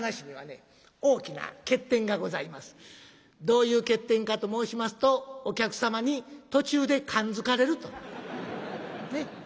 どういう欠点かと申しますとお客様に途中で感づかれると。ね？